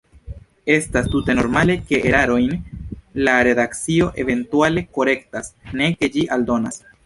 Estas tute normale, ke erarojn la redakcio eventuale korektas, ne ke ĝi aldonas.